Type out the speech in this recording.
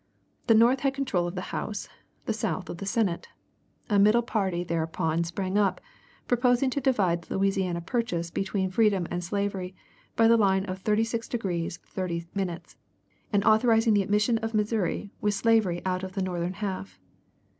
The North had control of the House, the South of the Senate. A middle party thereupon sprang up, proposing to divide the Louisiana purchase between freedom and slavery by the line of 36 degrees 30', and authorizing the admission of Missouri with slavery out of the northern half.